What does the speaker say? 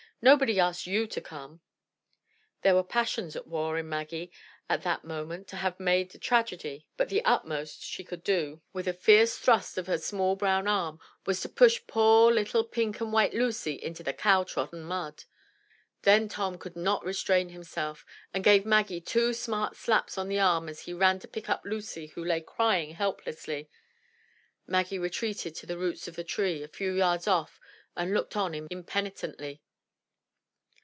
Nobody asked you to come." There were passions at war in Maggie at that moment to have made a tragedy, but the utmost she could do, with a fierce 235 M Y BOOK HOUSE thrust of her small brown arm, was to push poor little pink and white Lucy into the cow trodden mud. Then Tom could not restrain himself, and gave Maggie two smart slaps on the arm as he ran to pick up Lucy who lay crying helplessly. Maggie retreated to the roots of a tree a few yards off and looked on impenitently.